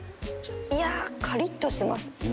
いやカリっとしてます。